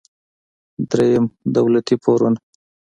دریم: دولتي پورونه.